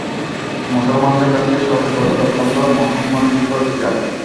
মুসলমানদের কাছে শবে কদর অত্যন্ত মহিমান্বিত একটি রাত।